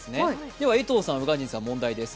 では、江藤さん、宇賀神さん、問題です。